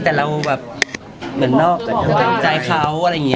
แต่เราแบบเหมือนนอกใจเขาอะไรอย่างนี้